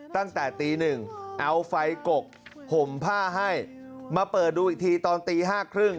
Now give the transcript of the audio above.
ตั้งแต่ตีหนึ่งเอาไฟกกห่มผ้าให้มาเปิดดูอีกทีตอนตี๕๓๐